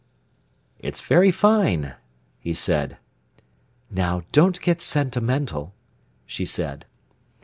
"It's very fine," he said. "Now don't get sentimental," she said.